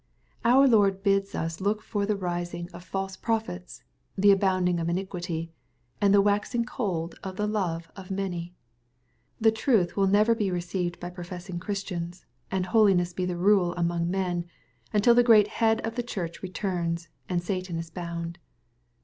Our Lord bids us look for the rising of " false prophets,^' the "abounding of iniquity," and the " waxing cold of the love of mahy.''^^ The truth will never be received by all professing Christians, and holiness be the rule among men, until the great Head of the Church returns, and Satan is bound.